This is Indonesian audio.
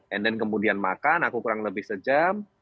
enden kemudian makan aku kurang lebih sejam